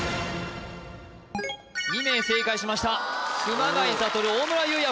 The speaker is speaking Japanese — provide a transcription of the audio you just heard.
２名正解しました熊谷覚大村優也